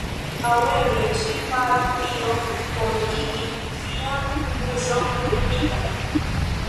Aŭ eble, ŝi faras tion por igi sian buŝon okupita.